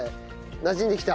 なじんできた。